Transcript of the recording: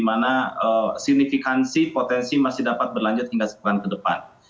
jadi signifikansi potensi masih dapat berlanjut hingga sepekan ke depan